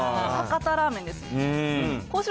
博多ラーメンです。